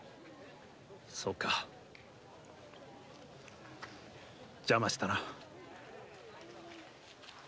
そうか邪魔したな。